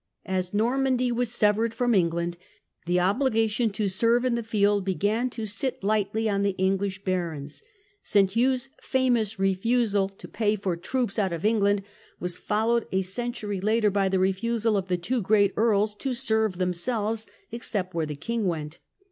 As Normandy was, severed from England the obligation to serve in the field b^an to sit lightly on the English barons. S. Hugh's famous refusal to pay for troops out of England was followed a century later by the refusal of the two great earls to serve themselves except where the king went.